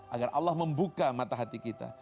agar allah membuka mata hati kita